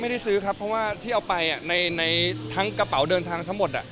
ไม่ได้ซื้อครับเพราะว่าที่เอาไปในทั้งกระเป๋าเดินทางทั้งหมด